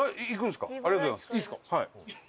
はい。